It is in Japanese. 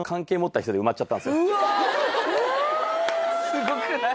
すごくない？